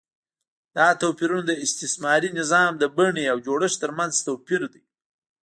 دا توپیرونه د استثاري نظام د بڼې او جوړښت ترمنځ توپیر دی.